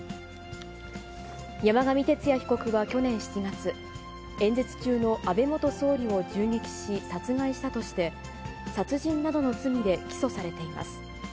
山上徹也被告は去年７月、演説中の安倍元総理を銃撃し、殺害したとして、殺人などの罪で起訴されています。